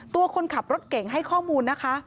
คนขับรถเก่งให้ข้อมูลนะคะ